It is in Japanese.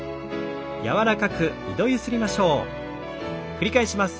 繰り返します。